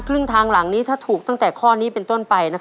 ครึ่งทางหลังนี้ถ้าถูกตั้งแต่ข้อนี้เป็นต้นไป